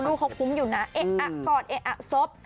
ลูกเขาคุ้มอยู่นะเอ๊ะอะกอดเอ๊ะอะซบ